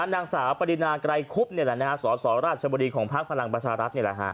นางสาวปริณาไกรคุบเนี่ยแหละสสราชบุรีของภาคพลังบัชรัฐเนี่ยแหละฮะ